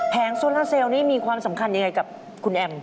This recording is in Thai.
โซลาเซลลนี้มีความสำคัญยังไงกับคุณแอม